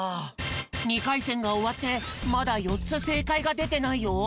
２かいせんがおわってまだ４つせいかいがでてないよ。